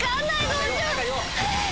どうしよう